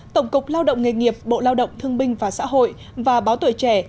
tổng cục lao động nghề nghiệp bộ lao động thương binh và xã hội và báo tuổi trẻ